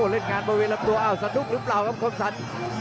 เล่นงานบริเวณลำตัวสนุกหรือเปล่าครับความสน